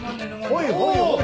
ほいほいほい。